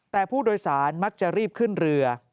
แต่ผู้โดยสารมักจะรีบขึ้นเรือ